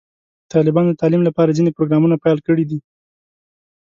طالبانو د تعلیم لپاره ځینې پروګرامونه پیل کړي دي.